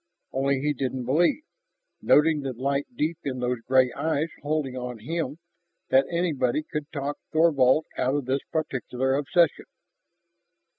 Only he didn't believe, noting the light deep in those gray eyes holding on him, that anybody could talk Thorvald out of this particular obsession.